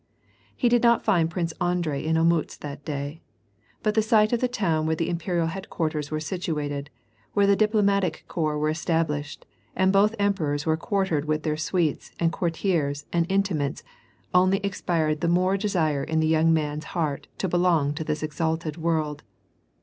He did not find Prince Andrei in Olmtitz that day. But the sight of the town where the imperial headquarters were situ ated, where the diplomatic corps were established, and both emperors were quartered with their suites, and o^urtiera, and intimates, only inspired the more desire in the young man's heart to belong to this exalted world.